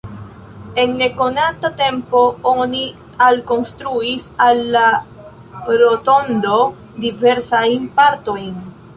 En nekonata tempo oni alkonstruis al la rotondo diversajn partojn.